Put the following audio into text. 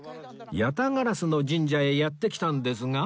八咫烏の神社へやって来たんですが